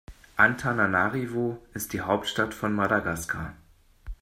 Antananarivo ist die Hauptstadt von Madagaskar.